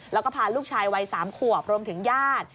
แล้วก็พาลูกชายวัย๓ขวบรวมถึงญาติ